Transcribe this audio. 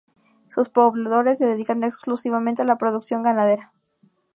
Sus pobladores se dedican exclusivamente a la producción ganadera.